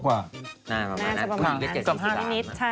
ประมาณนั้น